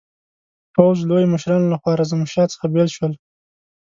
پوځ لوی مشران له خوارزمشاه څخه بېل شول.